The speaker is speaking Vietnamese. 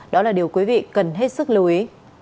đó là điều quý vị cần hết sức lưu ý